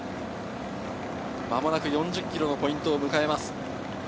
間もなく４０ｋｍのポイントを迎えます。